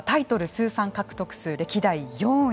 通算獲得数、歴代４位。